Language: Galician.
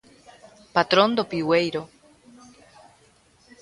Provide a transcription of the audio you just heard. Patrón do Piueiro.